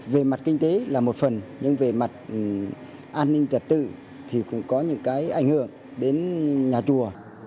về mặt kinh tế là một phần nhưng về mặt an ninh trật tự thì cũng có những cái ảnh hưởng đến nhà chùa